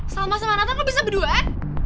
salma sama nathan kok bisa berdua ya